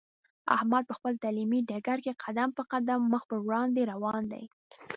احمد په خپل تعلیمي ډګر کې قدم په قدم مخ په وړاندې روان دی.